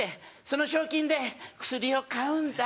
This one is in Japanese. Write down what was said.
その賞金で薬を買うんだ。